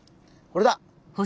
これだ！